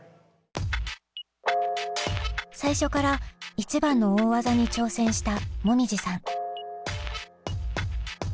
最初から一番の大技に挑戦したもみじさん。